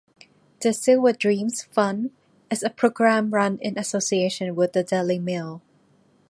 The Silver Dreams Fund is a programme run in association with the Daily Mail.